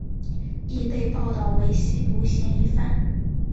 亦被报导为吸毒嫌疑犯。